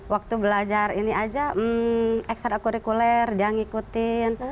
waktu belajar ini aja ekstra kurikuler dia ngikutin